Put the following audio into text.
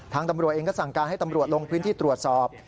ตำรวจเองก็สั่งการให้ตำรวจลงพื้นที่ตรวจสอบ